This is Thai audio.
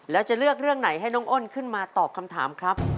แล้วจะเลือกเรื่องไหนให้น้องอ้นขึ้นมาตอบคำถามครับ